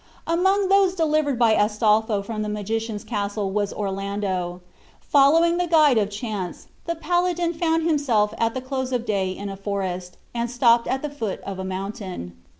Among those delivered by Astolpho from the magician's castle was Orlando. Following the guide of chance, the paladin found himself at the close of day in a forest, and stopped at the foot of a mountain.